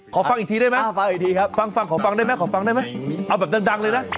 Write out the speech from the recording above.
ขอฟังอีกทีได้ไหมขอฟังได้ไหมเอาแบบดังเลยนะ